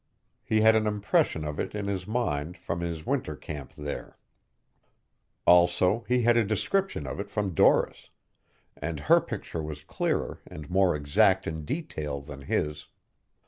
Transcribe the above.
He had an impression of it in his mind from his winter camp there; also he had a description of it from Doris, and her picture was clearer and more exact in detail than his.